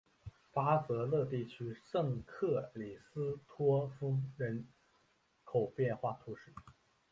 巴泽勒地区圣克里斯托夫人口变化图示